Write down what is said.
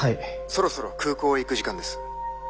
そろそろ空港へ行く時間です。